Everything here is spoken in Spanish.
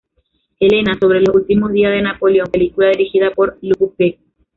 Helena", sobre los últimos días de Napoleón, película dirigida por Lupu Pick.